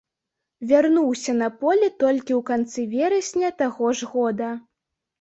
Вярнуўся на поле толькі ў канцы верасня таго ж года.